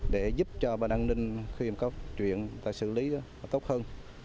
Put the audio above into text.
để giúp cho bệnh an ninh khi có chuyện xử lý tốt hơn